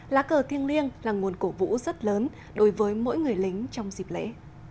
lá cờ thiêng liêng là nguồn cổ vũ rất lớn đối với mỗi người lính trong dịp lễ